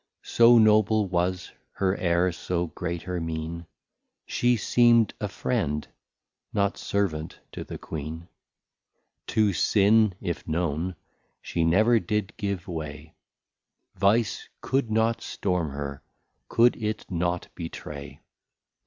} So Noble was her Aire, so Great her Meen, She seem'd a Friend, not Servant to the Queen. To Sin, if known, she never did give way, Vice could not Storm her, could it not betray.